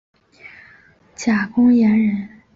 贾公彦人。